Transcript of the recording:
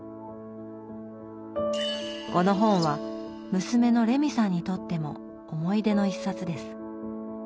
この本は娘のレミさんにとっても思い出の一冊です。